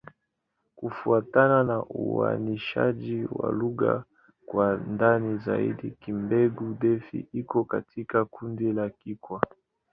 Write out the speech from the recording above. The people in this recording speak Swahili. Kufuatana na uainishaji wa lugha kwa ndani zaidi, Kigbe-Defi iko katika kundi la Kikwa.